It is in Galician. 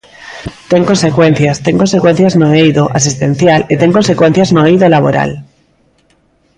Ten consecuencias, ten consecuencias no eido asistencial e ten consecuencias no eido laboral.